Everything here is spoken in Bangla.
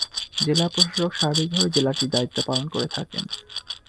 জেলা প্রশাসক সার্বিকভাবে জেলাটির দায়িত্ব পালন করে থাকেন।